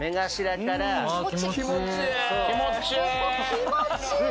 気持ちいい！